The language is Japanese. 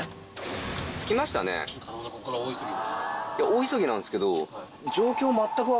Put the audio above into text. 大急ぎなんですけど。